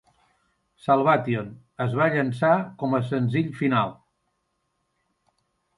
"Salvation" es va llançar com a senzill final.